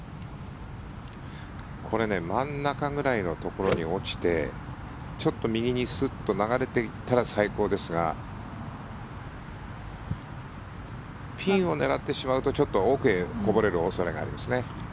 これ真ん中ぐらいのところに落ちてちょっと右にスッと流れていったら最高ですがピンを狙ってしまうとちょっと奥へこぼれる恐れがありますね。